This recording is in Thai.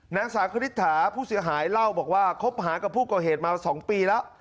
นางสาวคณิตถาผู้เสียหายเล่าบอกว่าคบหากับผู้ก่อเหตุมา๒ปีแล้ว